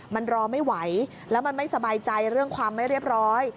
มันรอไม่ไหวแล้วมันไม่สบายใจเรื่องความไม่เรียบร้อย